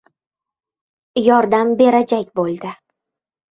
Yordam berajak bo‘ldi.